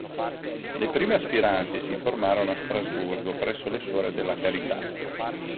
Le prime aspiranti si formarono a Strasburgo, presso le suore della carità.